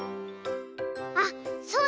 あっそうだ！